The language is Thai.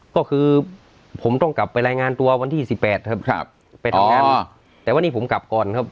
ก็คือผมต้องกลับไปรายงานตัววันที่สิบแปดครับครับไปทำงานแต่วันนี้ผมกลับก่อนครับ